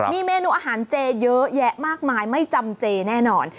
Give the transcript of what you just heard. มีเมนูอาหารเจเยอะแยะมากมายไม่จำเจแน่นอน